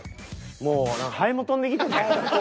もうハエも飛んできてた。